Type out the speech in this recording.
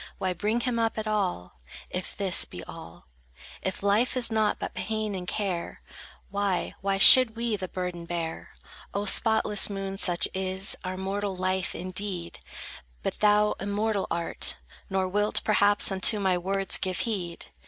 Why bring him up at all, If this be all? If life is nought but pain and care, Why, why should we the burden bear? O spotless moon, such is Our mortal life, indeed; But thou immortal art, Nor wilt, perhaps, unto my words give heed.